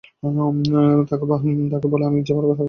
এবং তাকে বলো যে আমি তাকে ভালবাসি।